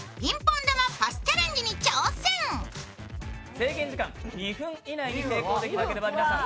制限時間２分以内に成功できなければ皆さん